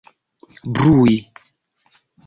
brui